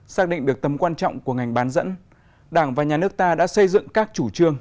xác định được tầm quan trọng của ngành bán dẫn đảng và nhà nước ta đã xây dựng các chủ trương